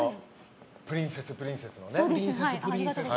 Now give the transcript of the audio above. プリンセスプリンセスのね。